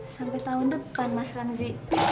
sampai tahun depan mas ramzi